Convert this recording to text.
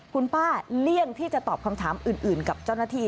คุณป้าเลี่ยงที่จะตอบคำถามอื่นกับเจ้าหน้าที่